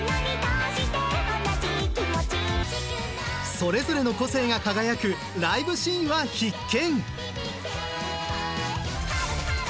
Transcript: それぞれの個性が輝くライブシーンは必見！